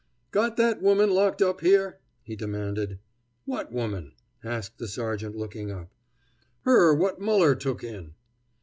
"Got that woman locked up here?" he demanded. "What woman?" asked the sergeant, looking up. "Her what Muller took in."